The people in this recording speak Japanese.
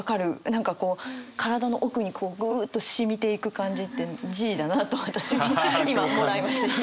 何かこう体の奥にぐっと染みていく感じってＧだなと今もらいましてＧ。